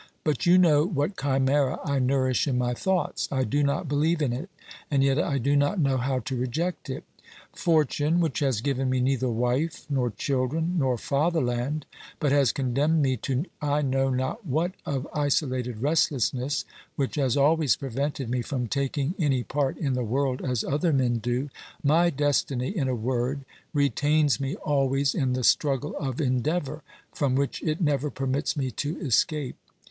But you know what chimera I nourish in my thoughts. I do not believe in it, and yet I do not know how to reject it. Fortune, which has given me neither wife, nor children, nor fatherland, but has condemned me to I know not what of isolated restlessness, which has always prevented me from taking any part in the world as other men do; my destiny, in a word, retains me always in the struggle of endeavour, from which it never permits me to escape.